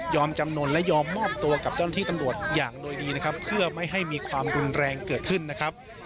จำนวนและยอมมอบตัวกับเจ้าหน้าที่ตำรวจอย่างโดยดีนะครับเพื่อไม่ให้มีความรุนแรงเกิดขึ้นนะครับ